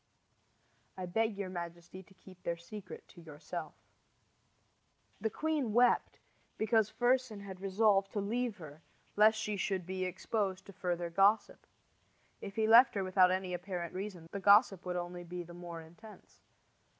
I beg your majesty to keep their secret to yourself. The queen wept because Fersen had resolved to leave her lest she should be exposed to further gossip. If he left her without any apparent reason, the gossip would only be the more intense.